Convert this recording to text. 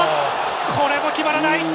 これも決まらない！